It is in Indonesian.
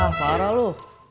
ah parah lu